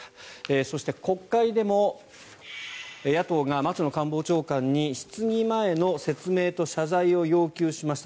そして、国会でも野党が松野官房長官に質疑前の説明と謝罪を要求しました。